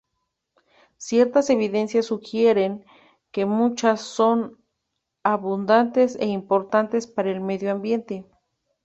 Ciertas evidencias sugieren que muchas son abundantes e importantes para el medio ambiente.